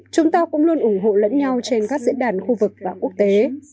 chúng ta cũng luôn ủng hộ lẫn nhau trên các diễn đàn khu vực và quốc tế